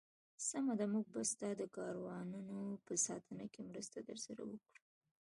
سمه ده، موږ به ستا د کاروانونو په ساتنه کې مرسته درسره وکړو.